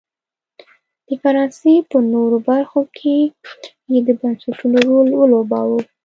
د فرانسې په نورو برخو کې یې د بنسټونو رول ولوباوه.